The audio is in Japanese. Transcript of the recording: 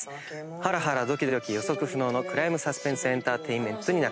ハラハラドキドキ予測不能のクライムサスペンスエンタテインメントになっています。